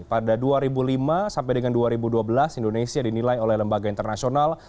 pada dua ribu lima sampai dengan dua ribu dua belas indonesia dinilai oleh lembaga internasional